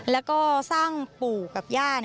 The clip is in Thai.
แล้วก็สร้างปู่กับย่า